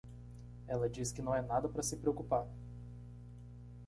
Ela diz que não é nada para se preocupar.